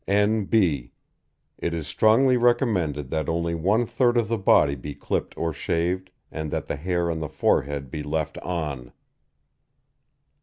N.B. It is strongly recommended that only one third of the body be clipped or shaved, and that the hair on the forehead be left on.